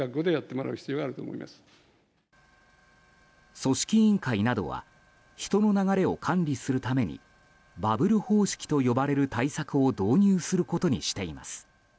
組織委員会などは人の流れを管理するためにバブル方式と呼ばれる対策を導入することにしています。